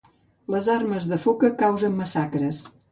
Les armes de foca causen massacres